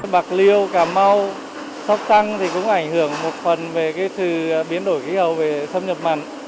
bạc liêu cà mau sóc tăng thì cũng ảnh hưởng một phần về cái sự biến đổi khí hậu về xâm nhập mặn